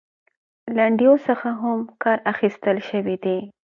لنډيو څخه هم کار اخيستل شوى دى .